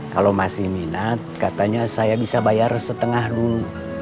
kalau masih minat katanya saya bisa bayar setengah dulu